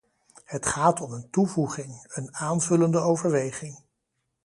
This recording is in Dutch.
Het gaat om een toevoeging, een aanvullende overweging.